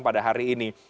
pada hari ini